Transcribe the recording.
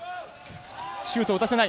シュートを打たせない。